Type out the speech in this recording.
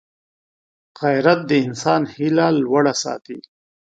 غیرت د انسان هیله لوړه ساتي